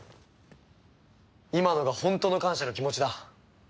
今のが本当の感謝の気持ちだ。